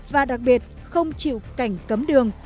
và đặc biệt không chịu cảnh cấm đường